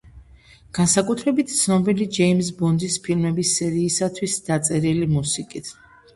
განსაკუთრებით ცნობილი ჯეიმზ ბონდის ფილმების სერიისათვის დაწერილი მუსიკით.